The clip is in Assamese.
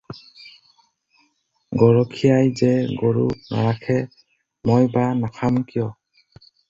”গৰখীয়াই যে গৰু নাৰাখে, মই বা নাখাম কিয়?”